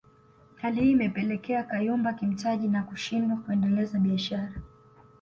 Hali hii imepelekea kuyumba kimtaji na kushindwa kuendeleza biashara